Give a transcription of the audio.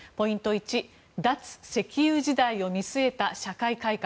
１脱石油時代を見据えた社会改革。